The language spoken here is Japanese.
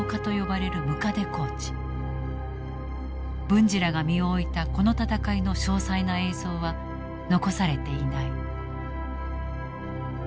文次らが身を置いたこの戦いの詳細な映像は残されていない。